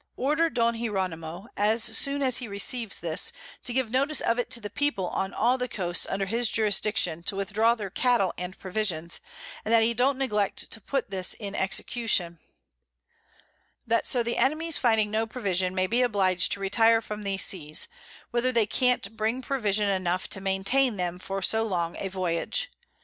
Order Don Hieronimo, as soon as he receives this, to give notice of it to the People on all the Coasts under his Jurisdiction to withdraw their Cattle and Provisions, and that he don't neglect to put this in execution; that so the Enemies finding no Provision, may be oblig'd to retire from these Seas, whither they can't bring Provision enough to maintain them for so long a Voyage.